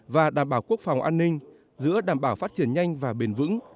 và đảm bảo quốc phòng an ninh giữa đảm bảo phát triển nhanh và bền vững